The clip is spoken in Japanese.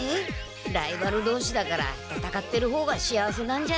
ライバル同士だから戦ってる方が幸せなんじゃない？